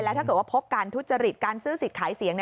ถ้าเกิดว่าพบการทุจริตการซื้อสิทธิ์ขายเสียง